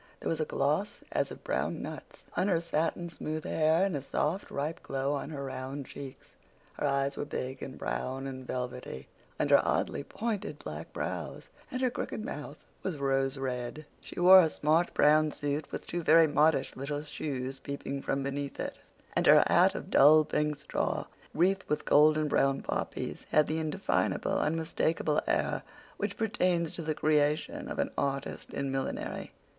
There was a gloss as of brown nuts on her satin smooth hair and a soft, ripe glow on her round cheeks. Her eyes were big and brown and velvety, under oddly pointed black brows, and her crooked mouth was rose red. She wore a smart brown suit, with two very modish little shoes peeping from beneath it; and her hat of dull pink straw, wreathed with golden brown poppies, had the indefinable, unmistakable air which pertains to the "creation" of an artist in millinery.